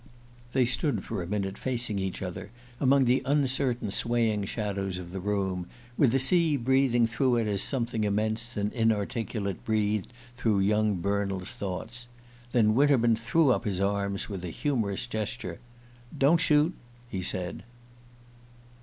They stood for a minute facing each other, among the uncertain swaying shadows of the room, with the sea breathing through it as something immense and inarticulate breathed through young Bernald's thoughts; then Winterman threw up his arms with a humorous gesture. "Don't shoot!" he said.